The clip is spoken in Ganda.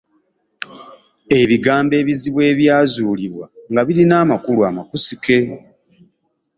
Ebigambo ebizibu ebyazuulibwa nga birina amakulu amakusike.